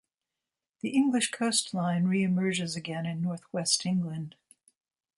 The English coastline re-emerges again in North West England.